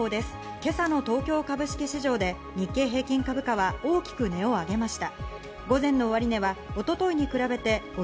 今朝の東京株式市場で日経平均株価は大きく値を上げました。